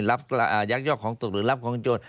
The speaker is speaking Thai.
ยักยอกของตกหรือรับของโจร